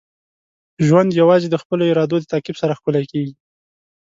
ژوند یوازې د خپلو ارادو د تعقیب سره ښکلی کیږي.